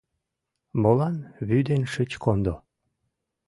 — Молан вӱден шыч кондо?